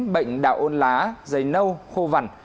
bệnh đạo ôn lá dây nâu khô vằn